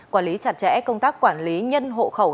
quản lý chặt chẽ công tác quản lý nhân hộ khẩu